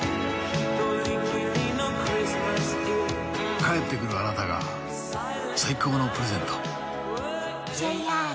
帰ってくるあなたが最高のプレゼント。